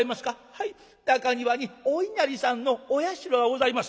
「はい中庭にお稲荷さんのお社がございます」。